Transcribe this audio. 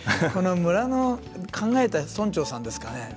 村の考えたのは村長さんですかね。